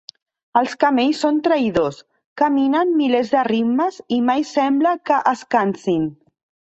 Els camells són traïdors: caminen milers de ritmes i mai sembla que es cansin.